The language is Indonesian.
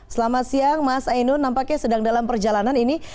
selamat siang mas ainun nampaknya sedang dalam perjalanan ini